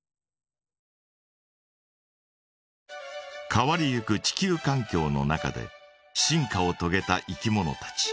変わりゆく地球かん境の中で進化をとげたいきものたち。